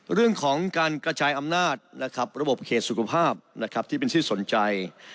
เรื่องของการกระจายอำนาจนะครับระบบเขตสุขภาพนะครับที่เป็นที่สนใจ